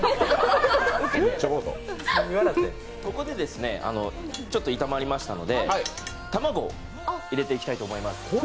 ここで、炒まりましたので卵を入れていきたいと思います。